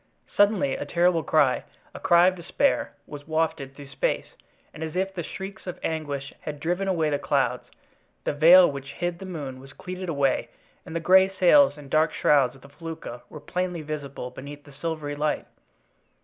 Suddenly a terrible cry, a cry of despair, was wafted through space; and as if the shrieks of anguish had driven away the clouds, the veil which hid the moon was cleated away and the gray sails and dark shrouds of the felucca were plainly visible beneath the silvery light.